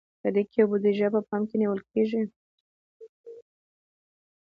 په دې کې بودیجه په پام کې نیول کیږي.